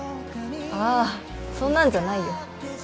ああそんなんじゃないよ